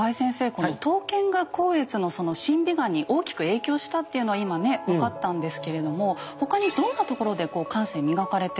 この刀剣が光悦の審美眼に大きく影響したっていうのは今ねっ分かったんですけれども他にどんなところでこう感性磨かれてったんでしょうか？